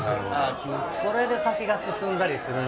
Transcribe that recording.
それで酒が進んだりするのよ。